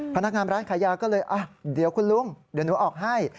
พนักงานร้านขายยาก็เลยเดี๋ยวคุณลุงเดี๋ยวหนูออกให้